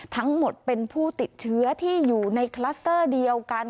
ทั้งหมดเป็นผู้ติดเชื้อที่อยู่ในคลัสเตอร์เดียวกัน